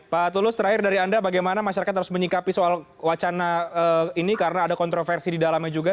pak tulus terakhir dari anda bagaimana masyarakat harus menyikapi soal wacana ini karena ada kontroversi di dalamnya juga